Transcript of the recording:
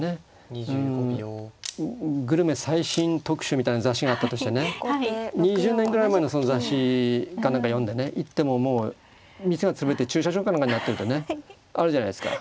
うんグルメ最新特集みたいな雑誌があったとしてね２０年ぐらい前の雑誌か何か読んでね行ってももう店が潰れて駐車場か何かになってるってねあるじゃないですか。